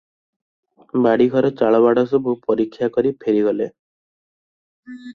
ବାଡ଼ିଘର ଚାଳବାଡ଼ ସବୁ ପରୀକ୍ଷା କରି ଫେରିଗଲେ ।